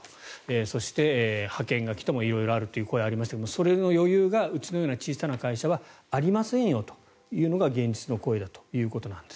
そして、派遣が来ても色々あるということでそれの余裕がうちような小さな会社はありませんよというのが現実の声だということです。